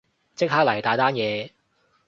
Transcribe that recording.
即刻嚟，大單嘢